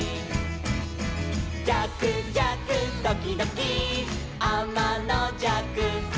「じゃくじゃくドキドキあまのじゃく」